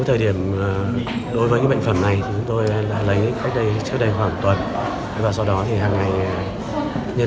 thời điểm đối với bệnh phẩm này chúng tôi đã lấy trước đây khoảng một tuần và sau đó hàng ngày nhân